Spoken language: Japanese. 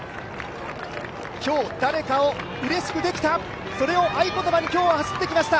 今日、誰かをうれしくできた、それを合い言葉に今日は走ってきました